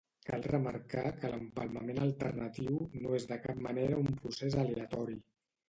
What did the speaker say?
Cal remarcar que l'empalmament alternatiu, no és de cap manera un procés aleatori.